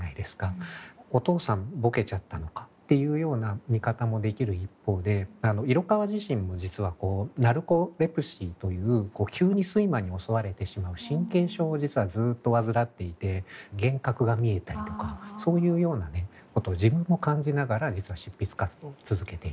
お父さんボケちゃったのかっていうような見方もできる一方で色川自身も実はナルコレプシーという急に睡魔に襲われてしまう神経症を実はずっと患っていて幻覚が見えたりとかそういうようなねことを自分も感じながら実は執筆活動を続けていた。